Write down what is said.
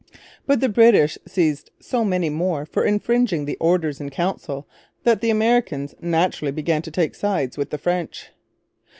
But the British seized so many more for infringing the Orders in Council that the Americans naturally began to take sides with the French.